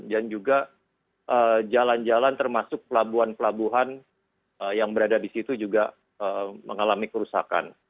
dan juga jalan jalan termasuk pelabuhan pelabuhan yang berada di situ juga mengalami kerusakan